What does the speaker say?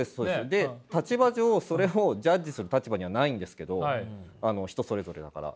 で立場上それをジャッジする立場にはないんですけどあの人それぞれだから。